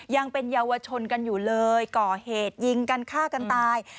ยังเป็นเยาวชนกันอยู่เลยก่อเหตุยิงกันฆ่ากันตาย